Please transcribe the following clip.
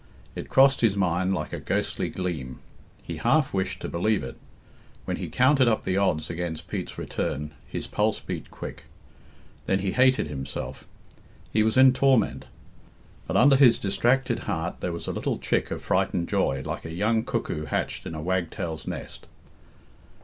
It crossed his mind like a ghostly gleam. He half wished to believe it. When he counted up the odds against Pete's return, his pulse beat quick. Then he hated himself. He was in torment. But under his distracted heart there was a little chick of frightened joy, like a young cuckoo hatched in a wagtail's nest.